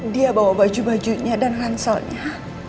dia bawa baju bajunya dan ranselnya